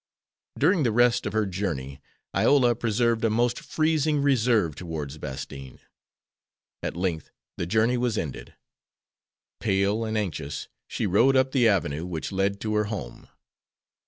During the rest of her journey Iola preserved a most freezing reserve towards Bastine. At length the journey was ended. Pale and anxious she rode up the avenue which led to her home.